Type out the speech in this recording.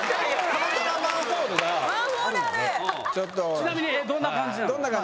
ちなみにどんな感じなの？